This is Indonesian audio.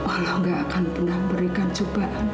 allah gak akan pernah berikan cobaan